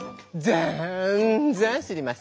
ぜんぜん知りません。